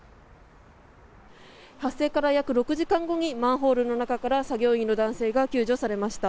発生から約６時間後にマンホールの中から作業員の男性が救助されました。